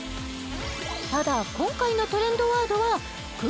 ただ今回のトレンドワードはストップ！